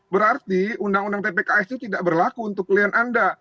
berarti undang undang tpks itu tidak berlaku untuk klien anda